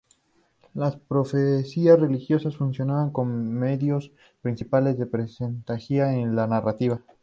Las profecías religiosas funcionan como medios principales de presagiar en la narrativa.